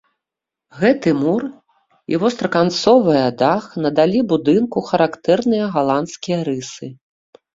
Гэты мур і востраканцовая дах надалі будынку характэрныя галандскія рысы.